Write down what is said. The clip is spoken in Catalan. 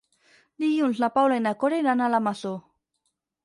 Dilluns na Paula i na Cora iran a la Masó.